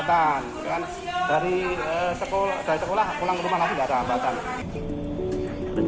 rencananya damri alam suara yang terbangun di bukaan bus ini juga berhasil mengambil bus tersebut